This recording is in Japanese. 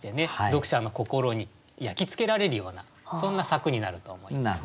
読者の心に焼き付けられるようなそんな作になると思います。